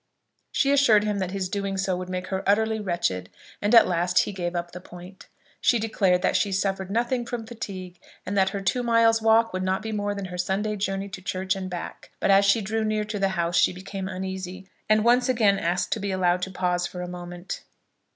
She assured him that his doing so would make her utterly wretched, and at last he gave up the point. She declared that she suffered nothing from fatigue, and that her two miles' walk would not be more than her Sunday journey to church and back. But as she drew near to the house she became uneasy, and once asked to be allowed to pause for a moment.